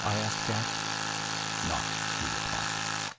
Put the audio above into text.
I asked Ghak. "Naught," he replied.